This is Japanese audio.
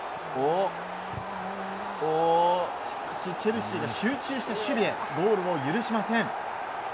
チェルシーが集中した守備でゴールを許しません。